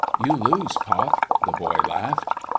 " You lose, pop," the boy laughed.